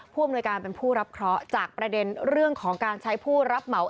ผู้อำนวยการเป็นผู้รับเคราะห์จากประเด็นเรื่องของการใช้ผู้รับเหมา